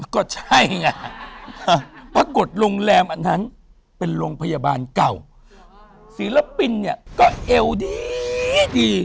ก็ใช่ไงปรากฏโรงแรมอันนั้นเป็นโรงพยาบาลเก่าศิลปินเนี่ยก็เอวดีดี